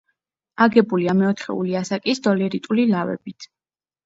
აგებულია მეოთხეული ასაკის დოლერიტული ლავებით.